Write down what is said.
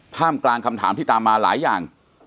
กลางคำถามที่ตามมาหลายอย่าง